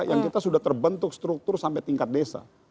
yang kita sudah terbentuk struktur sampai tingkat desa